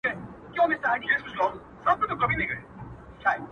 لكه گلاب چي سمال ووهي ويده سمه زه؛